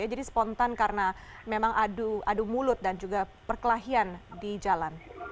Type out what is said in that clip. spontan karena memang adu mulut dan juga perkelahian di jalan